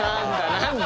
何だ⁉